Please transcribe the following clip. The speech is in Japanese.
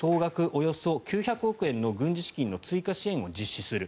およそ９００億円の軍事資金の追加支援を実施する。